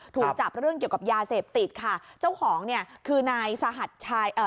ถูกจับเรื่องเกี่ยวกับยาเสพติดค่ะเจ้าของเนี่ยคือนายสหัสชายเอ่อ